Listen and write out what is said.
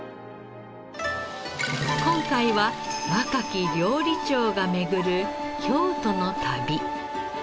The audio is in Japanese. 今回は若き料理長が巡る京都の旅。